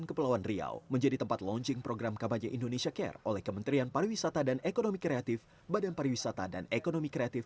kementerian pariwisata dan ekonomi kreatif badan pariwisata dan ekonomi kreatif badan pariwisata dan ekonomi kreatif badan pariwisata dan ekonomi kreatif